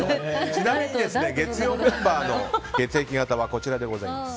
ちなみに月曜メンバーの血液型こちらです。